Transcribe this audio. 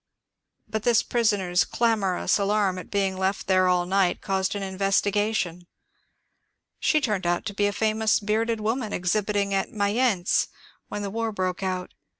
But this prisoner's clamorous alarm at being left there all FROM STRASBURG TO BASLE 221 night caused an investigation. She turned out to be a famous ^^ bearded woman " exhibiting at Mayence when the war broke out.